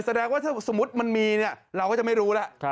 สมมุติมันมีเราก็จะไม่รู้แล้ว